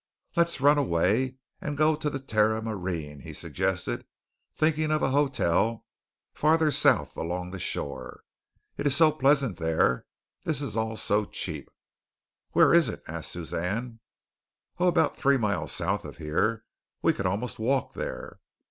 "Let's run away and go to the Terra Marine," he suggested, thinking of a hotel farther south along the shore. "It is so pleasant there. This is all so cheap." "Where is it?" asked Suzanne. "Oh, about three miles south of here. We could almost walk there."